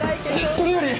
それより！